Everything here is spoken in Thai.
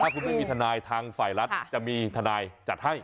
คุณไม่มีทนายทางฝ่ายรัฐจะมีทนายจัดให้